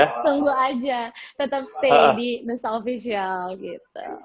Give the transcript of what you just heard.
tunggu aja tetap stay di nusa official gitu